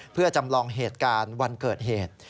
เพื่อจำลองเหตุการณ์วันเกิดเหตุ